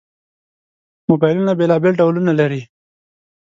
موبایلونه بېلابېل ډولونه لري.